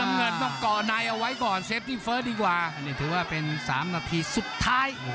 เงินต้องเกาะในเอาไว้ก่อนเซฟตี้เฟิร์สดีกว่าอันนี้ถือว่าเป็น๓นาทีสุดท้าย